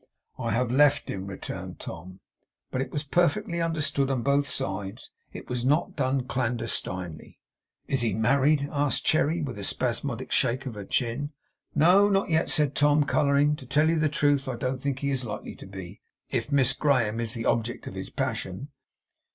'I have left him,' returned Tom. 'But it was perfectly understood on both sides. It was not done clandestinely.' 'Is he married?' asked Cherry, with a spasmodic shake of her chin. 'No, not yet,' said Tom, colouring; 'to tell you the truth, I don't think he is likely to be, if if Miss Graham is the object of his passion.